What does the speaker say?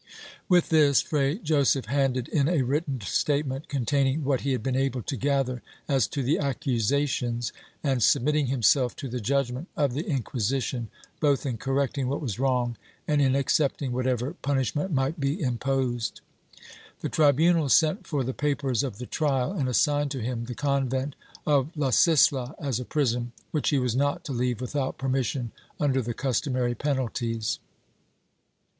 With this Fray Joseph handed in a written statement, containing what he had been able to gather as to the accusations, and submitting himself to the judgement of the Inquisition, both in correcting what was wrong and in accepting whatever punish ment might be imposed. The tribunal sent for the papers of the trial and assigned to him the convent of la Sisla as a prison, which he was not to leave with out permission under the customary penalties.